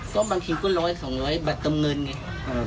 ก็บางทีก็ร้อยสองร้อยบัตรเติมเงินไง